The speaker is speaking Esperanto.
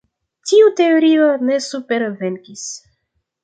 Tiu teorio ne supervenkis.